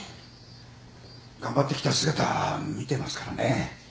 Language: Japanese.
頑張ってきた姿見てますからね。